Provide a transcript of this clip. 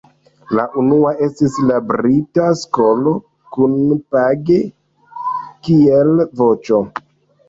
La unua estis la "brita skolo", kun Page kiel voĉo.